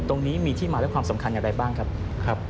ตรงนี้มีที่มาและความสำคัญอย่างไรบ้างครับ